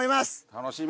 楽しみ。